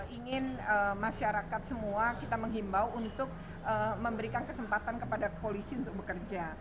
ingin masyarakat semua kita menghimbau untuk memberikan kesempatan kepada polisi untuk bekerja